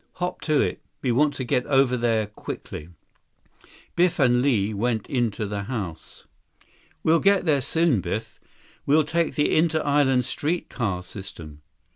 Hop to it. We want to get over there quickly." Biff and Li went into the house. 66 "We'll get there soon, Biff. We'll take the Inter Island Street Car System."